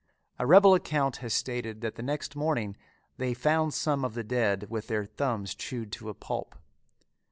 A rebel account has stated that the next morning they found some of the dead with their thumbs chewed to a pulp.